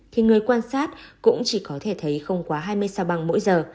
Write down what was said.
thì người quan sát cũng chỉ có thể thấy không quá hai mươi sao băng mỗi giờ